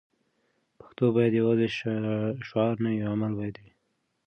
پښتو باید یوازې شعار نه وي؛ عمل باید وي.